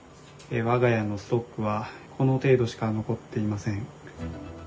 我が家のストックは、この程度しか残っていません。